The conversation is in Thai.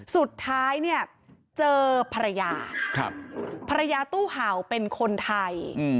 สุดท้ายเนี่ยเจอภรรยาภรรยาตู้เห่าเป็นคนไทย